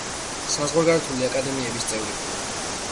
საზღვარგარეთული აკადემიების წევრი.